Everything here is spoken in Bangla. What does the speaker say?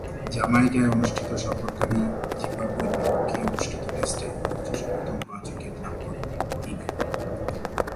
জ্যামাইকায় অনুষ্ঠিত সফরকারী জিম্বাবুয়ের বিপক্ষে অনুষ্ঠিত টেস্টে নিজস্ব প্রথম পাঁচ-উইকেট লাভ করেন তিনি।